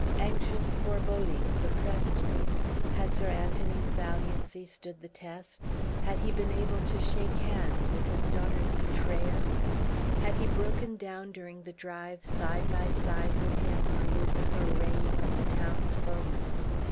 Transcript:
Anxious forebodings oppressed me. Had Sir Anthony's valiancy stood the test? Had he been able to shake hands with his daughter's betrayer? Had he broken down during the drive side by side with him, amid the hooraying of the townsfolk?